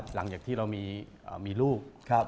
หลังจากที่เรามีลูก